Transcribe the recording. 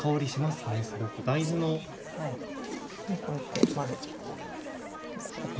こうやって混ぜちゃう。